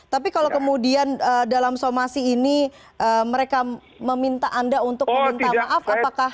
tapi kalau kemudian dalam somasi ini mereka meminta anda untuk meminta maaf apakah